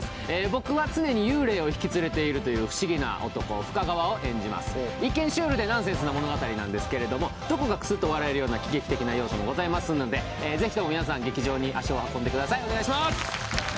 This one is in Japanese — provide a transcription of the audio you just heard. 僕は常に幽霊を引き連れているという不思議な男深川を演じます一見シュールでナンセンスな物語なんですけれどもどこかクスッと笑えるような喜劇的な要素もございますのでぜひとも皆さん劇場に足を運んでくださいお願いします